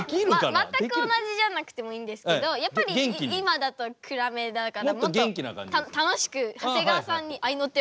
全く同じじゃなくてもいいんですけどやっぱり今だと暗めだからもっと楽しく長谷川さんにあいの手を入れるような感じでも。